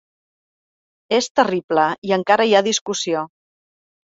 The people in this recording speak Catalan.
És terrible i encara hi ha discussió.